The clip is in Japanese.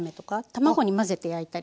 卵に混ぜて焼いたり。